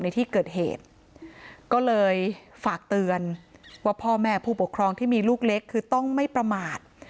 ในที่เกิดเหตุก็เลยฝากเตือนว่าพ่อแม่ผู้ปกครองที่มีลูกเล็กคือต้องไม่ประมาท